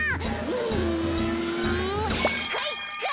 うんかいか！